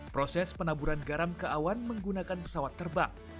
proses penaburan garam ke awan menggunakan pesawat terbang